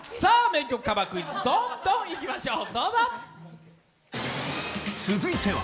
名曲カバークイズどんどんいきましょう！